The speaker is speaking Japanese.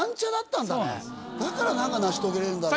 だから成し遂げれるんだろうな。